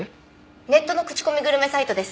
ネットの口コミグルメサイトです。